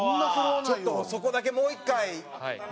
ちょっとそこだけもう一回見れる？